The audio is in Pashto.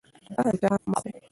د چا حق مه خورئ.